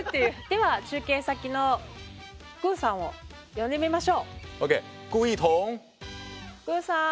では中継先の顧さんを呼んでみましょう。ＯＫ！顧さん。